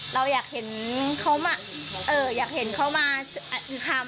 เราอยากเห็นเขาอยากเห็นเขามาทำ